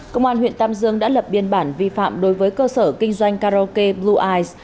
công an huyện tam dương đã lập biên bản vi phạm đối với cơ sở kinh doanh karaoke blue